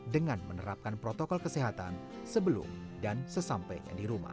dengan menerapkan protokol kesehatan sebelum dan sesampainya di rumah